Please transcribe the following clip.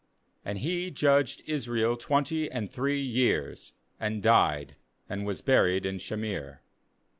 2And he judged Israel twenty and three years, and died, and was buried in Shamir.